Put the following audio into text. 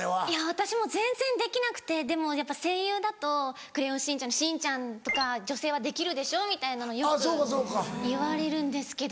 私も全然できなくてでもやっぱ声優だと『クレヨンしんちゃん』のしんちゃんとか「女性はできるでしょ」みたいなのよく言われるんですけど。